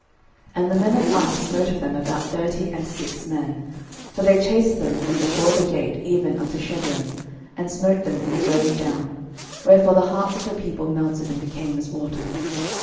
06:007:005 And the men of Ai smote of them about thirty and six men: for they chased them from before the gate even unto Shebarim, and smote them in the going down: wherefore the hearts of the people melted, and became as water.